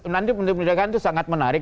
nanti menteri pendidikan itu sangat menarik